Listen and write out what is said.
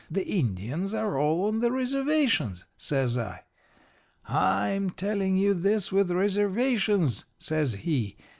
The Indians are all on the reservations,' says I. "'I'm telling you this with reservations,' says he.